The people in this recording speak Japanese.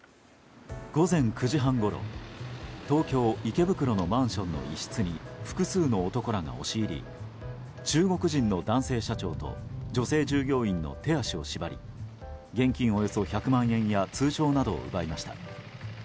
午前９時半ごろ東京・池袋のマンションの一室に複数の男らが押し入り中国人の男性社長と女性従業員の手足を縛り現金およそ１００万円や通帳などを奪いました。